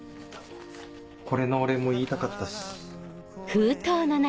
これのお礼も言いたかったし。